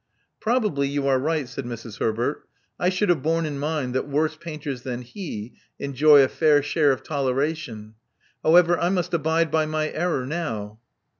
Probably you are right," said Mrs. Herbert. I should have borne in mind that worse painters than he enjoy a fair share of toleration. However, I must abide by my error now.